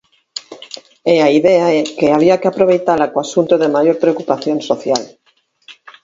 E a idea é que había que aproveitala co asunto de maior preocupación social.